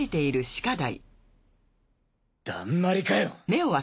だんまりかよ。